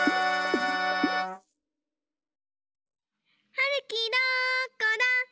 はるきどこだ？